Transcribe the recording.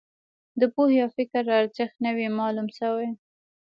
د پوهې او فکر ارزښت نه وي معلوم شوی.